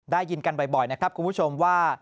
ได้ยินกันบ่อยนะครับคุณผู้ชมว่า